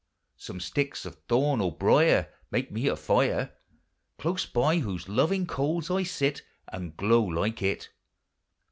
Some sticks of thorn or briar Make me a fire, Close by whose loving coals I sit, And glow like it.